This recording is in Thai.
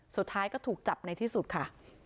สุดท้ายก็ถูกจับในที่สุดค่ะ